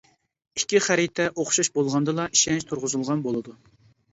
ئىككى خەرىتە ئوخشاش بولغاندىلا ئىشەنچ تۇرغۇزۇلغان بولىدۇ.